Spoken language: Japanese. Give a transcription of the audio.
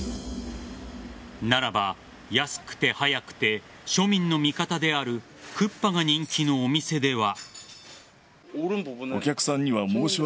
ならば、安くて早くて庶民の味方であるクッパが人気のお店では。